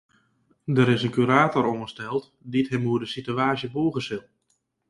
Der is in kurator oansteld dy't him oer de sitewaasje bûge sil.